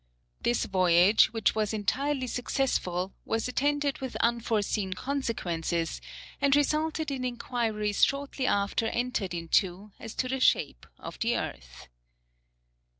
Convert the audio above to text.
This voyage, which was entirely successful, was attended with unforeseen consequences, and resulted in inquiries shortly after entered into as to the shape of the earth.